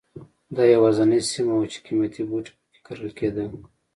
دا یوازینۍ سیمه وه چې قیمتي بوټي په کې کرل کېدل.